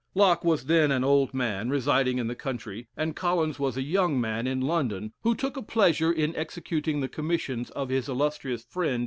Locke was then an old man, residing in the country, and Collins was a young man in London, who took a pleasure in executing the commissions of his illustrious friend.